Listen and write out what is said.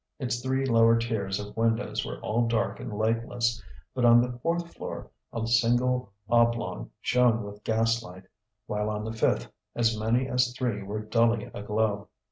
Its three lower tiers of windows were all dark and lightless, but on the fourth floor a single oblong shone with gas light, while on the fifth as many as three were dully aglow.